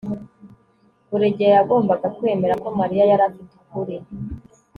buregeya yagombaga kwemera ko mariya yari afite ukuri